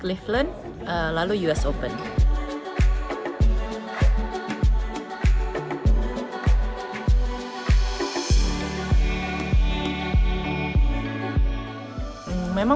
turnamen pertama akan ada di washington setelah itu ke montreal cincinnati cleveland lalu us open